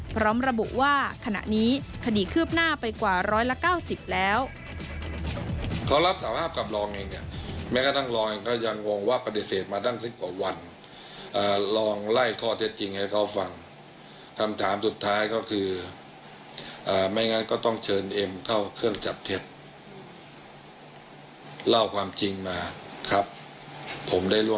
พร้อมระบบว่าขณะนี้คดีเคลือบหน้าไปกว่าร้อยละเก้าสิบแล้ว